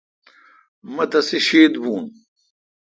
مہ تیسے شیتھ بھون۔